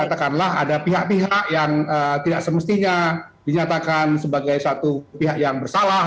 katakanlah ada pihak pihak yang tidak semestinya dinyatakan sebagai satu pihak yang bersalah